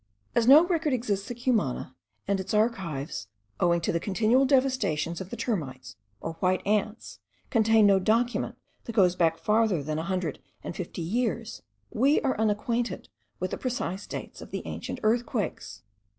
As no record exists at Cumana, and its archives, owing to the continual devastations of the termites, or white ants, contain no document that goes back farther than a hundred and fifty years, we are unacquainted with the precise dates of the ancient earthquakes.